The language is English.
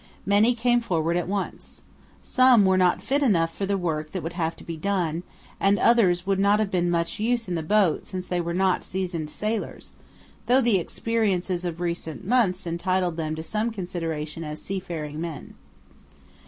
Many came forward at once. Some were not fit enough for the work that would have to be done, and others would not have been much use in the boat since they were not seasoned sailors, though the experiences of recent months entitled them to some consideration as seafaring men.